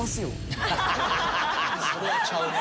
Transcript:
それはちゃうな。